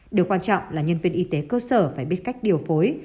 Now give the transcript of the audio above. điều quan trọng là nhân viên y tế cơ sở phải biết cách điều phối